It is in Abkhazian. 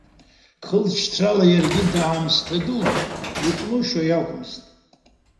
Хылҵшьҭрала иаргьы даамысҭа дуун, иҟәнушьо иакәмызт.